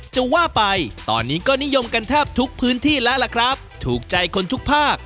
จะว่าไปตอนนี้ก็นิยมกันแทบทุกพื้นที่แล้วล่ะครับถูกใจคนทุกภาค